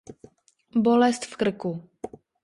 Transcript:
Bolest v krku.